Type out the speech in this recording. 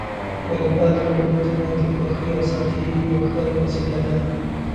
واليبال د ملګرو ترمنځ د خوښۍ او ساعت تېري یوه ښه وسیله ده.